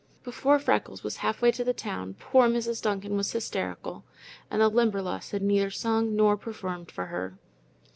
Before Freckles was halfway to the town, poor Mrs. Duncan was hysterical, and the Limberlost had neither sung nor performed for her.